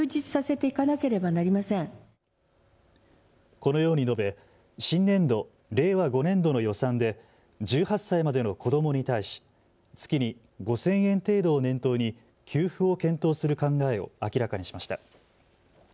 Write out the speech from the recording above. このように述べ新年度・令和５年度の予算で１８歳までの子どもに対し月に５０００円程度を念頭に給付を検討する考えを明らかにしました。